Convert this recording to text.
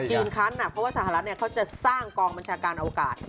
ยืนคันเพราะว่าสหรัฐเขาจะสร้างกองบัญชาการอวกาศ